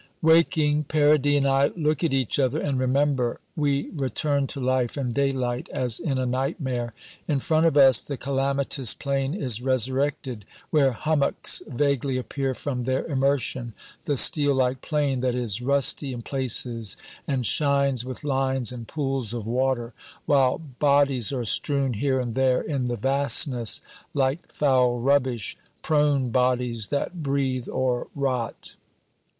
Waking, Paradis and I look at each other, and remember. We return to life and daylight as in a nightmare. In front of us the calamitous plain is resurrected, where hummocks vaguely appear from their immersion, the steel like plain that is rusty in places and shines with lines and pools of water, while bodies are strewn here and there in the vastness like foul rubbish, prone bodies that breathe or rot.